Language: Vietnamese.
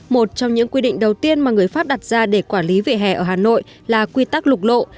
một trong những quy định đầu tiên mà người pháp đặt ra để quản lý vệ hè ở hà nội là quy tắc lục lộ